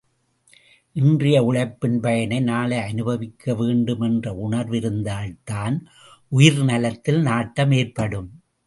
இன்றைய உழைப்பின் பயனை நாளை அனுபவிக்க வேண்டும் என்ற உணர்வு இருந்தால்தான் உயிர்நலத்தில் நாட்டம் ஏற்படும்.